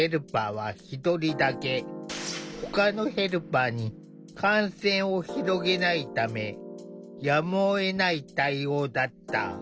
ほかのヘルパーに感染を広げないためやむをえない対応だった。